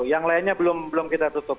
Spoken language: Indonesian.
yang lainnya belum kita tutup